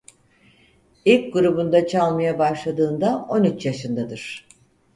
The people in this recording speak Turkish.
İlk grubunda çalmaya başladığında on üç yaşındadır.